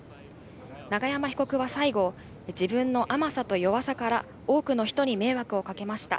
永山被告は最後、自分の甘さと弱さから多くの人に迷惑をかけました。